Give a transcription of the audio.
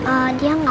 ada dia mama